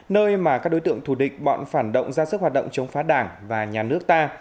nơi mà các đối tượng thù địch bọn phản động ra sức hoạt động chống phá đảng và nhà nước ta